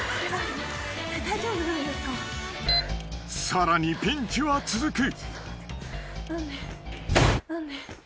［さらにピンチは続く］